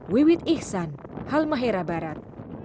wiwid ihsan halmahera barat